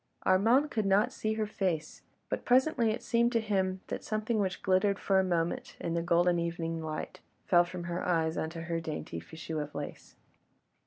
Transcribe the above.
Armand could not see her face, but presently it seemed to him that something which glittered for a moment in the golden evening light, fell from her eyes onto her dainty fichu of lace.